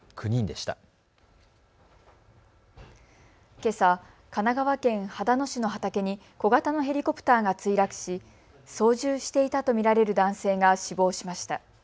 けさ、神奈川県秦野市の畑に小型のヘリコプターが墜落し操縦していたと見られる男性が死亡しました。